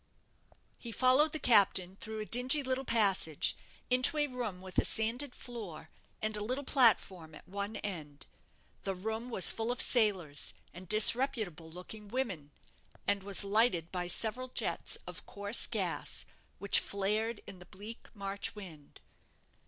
He followed the captain, through a dingy little passage, into a room with a sanded floor, and a little platform at one end. The room was full of sailors and disreputable looking women; and was lighted by several jets of coarse gas, which flared in the bleak March wind.